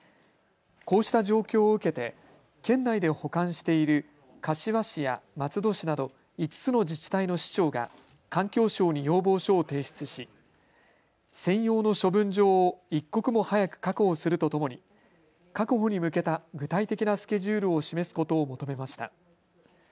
こうした状況を受けて県内で保管している柏市や松戸市など５つの自治体の市長が環境省に要望書を提出し専用の処分場を一刻も早く確保するとともに確保に向けた具体的なスケジュールを示すことを求めました。